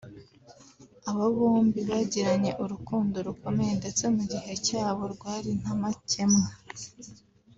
Aba bombi bagiranye urukundo rukomeye ndetse mu gihe cyabo rwari nta makemwa